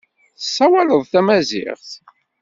Tessawaleḍ tamaziɣt?